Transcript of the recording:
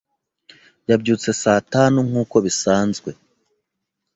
Yabyutse saa tanu nkuko bisanzwe.